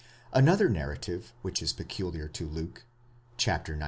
7 Another narrative, which is peculiar to Luke (xix.